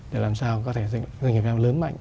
để làm sao các doanh nghiệp việt nam lớn mạnh